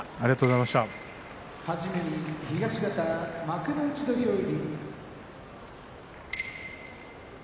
はじめに東方幕内土俵入り。